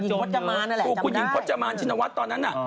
น้อยคุณหญิงพจมันอ่ะแหละจำได้คุณหญิงพจมันชินวัตต์ตอนนั้นนะ